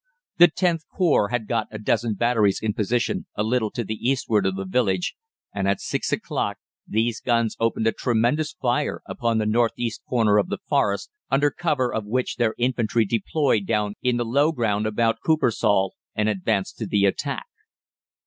The Xth Corps had got a dozen batteries in position a little to the eastward of the village, and at six o'clock these guns opened a tremendous fire upon the north east corner of the Forest, under cover of which their infantry deployed down in the low ground about Coopersale, and advanced to the attack.